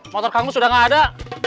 motor kangmus udah nggak ada